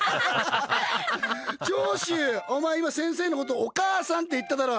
長州、お前、今、先生のこと「お母さん」って言っただろ。